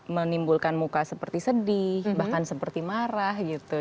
menimbulkan muka seperti sedih bahkan seperti marah gitu